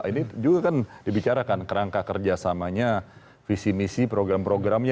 ini juga kan dibicarakan kerangka kerjasamanya visi misi program programnya